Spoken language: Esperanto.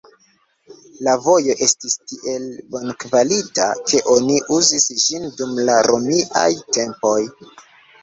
La vojo estis tiel bonkvalita, ke oni uzis ĝin dum la romiaj tempoj.